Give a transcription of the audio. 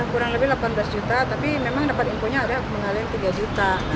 kurang lebih delapan belas juta tapi memang dapat infonya ada mengalir tiga juta